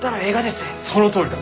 そのとおりだ！